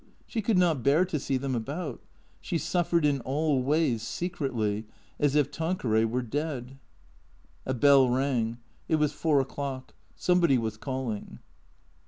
She could not bear to see them about. She suffered in all ways, secretly, as if Tanqueray were dead. A bell rang. It was four o'clock. Somebody was calling.